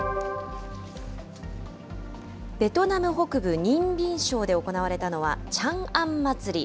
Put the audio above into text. ベトナム北部ニンビン省で行われたのは、チャンアン祭り。